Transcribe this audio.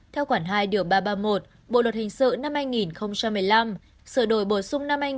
theo quản hai ba trăm ba mươi một bộ luật hình sự năm hai nghìn một mươi năm sở đổi bổ sung năm hai nghìn một mươi bảy